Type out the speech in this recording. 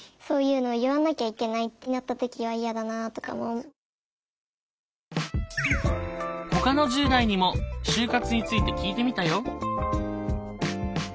私の中でほかの１０代にも就活について聞いてみたよ。